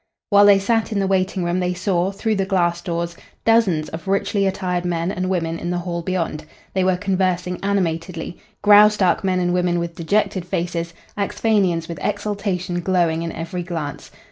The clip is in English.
While they sat in the waiting room they saw, through the glass doors, dozens of richly attired men and women in the hall beyond. They were conversing animatedly, Graustark men and women with dejected faces, Axphainians with exultation glowing in every glance.